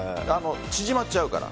縮まっちゃうから。